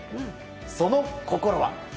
その心は。